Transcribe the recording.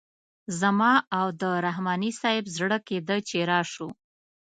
زما او د رحماني صیب زړه کیده چې راشو.